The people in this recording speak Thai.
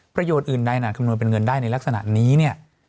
ประโยชน์อื่นใดอาจคำนวณเป็นเงินได้ในลักษณะนี้เนี่ย